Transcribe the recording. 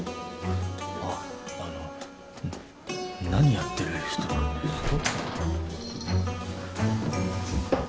ああの何やってる人なんですか？